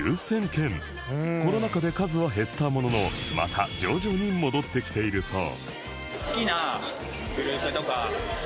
コロナ禍で数は減ったもののまた徐々に戻ってきているそう